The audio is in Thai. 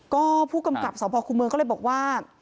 ก็ผู้กำกับสพคูเมืองก็เลยบอกว่า